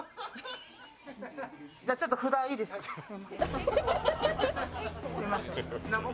じゃあちょっと札いいですか。